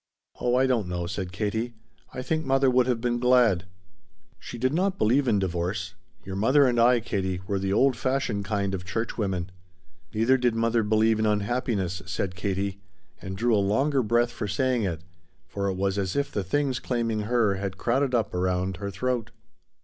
"Oh, I don't know," said Katie; "I think mother would have been glad." "She did not believe in divorce; your mother and I, Katie, were the old fashioned kind of churchwomen." "Neither did mother believe in unhappiness," said Katie, and drew a longer breath for saying it, for it was as if the things claiming her had crowded up around her throat.